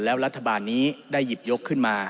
แล้วรัฐบาลนี้ได้หยิบยกขึ้นมา